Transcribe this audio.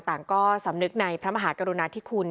ต่างก็สำนึกในพระมหากรุณาธิคุณ